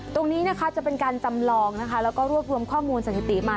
ตรงนี้นะคะจะเป็นการจำลองนะคะแล้วก็รวบรวมข้อมูลสถิติมา